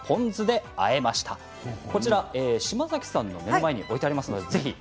島崎さんの目の前に置いてあります。